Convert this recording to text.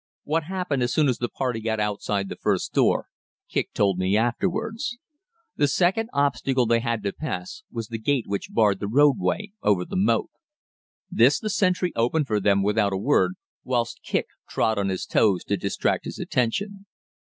What happened as soon as the party got outside the first door, Kicq told me afterwards. The second obstacle they had to pass was the gate which barred the roadway over the moat. This the sentry opened for them without a word, whilst Kicq trod on his toes to distract his attention.